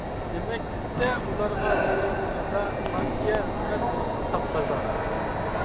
دېمەكتە ئۇلارغا بېرەيلى جازا، پارتىيە، ھۆكۈمەت بولسۇن ساپ، تازا.